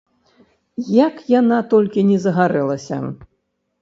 Як яна толькі не загарэлася?